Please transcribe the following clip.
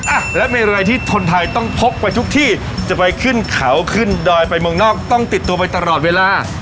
อ่ะแล้วมีอะไรที่คนไทยต้องพกไปทุกที่จะไปขึ้นเขาขึ้นดอยไปเมืองนอกต้องติดตัวไปตลอดเวลา